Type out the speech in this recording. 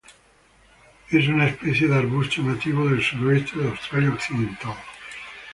Es una especie de arbusto nativo del suroeste de Australia Occidental.